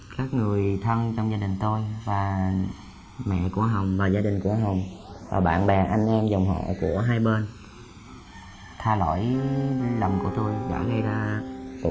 khả năng đối tượng quyết định bỏ thoát